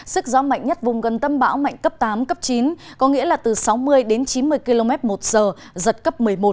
sức gió mạnh nhất vùng gần tâm bão mạnh cấp tám cấp chín có nghĩa là từ sáu mươi đến chín mươi km một giờ giật cấp một mươi một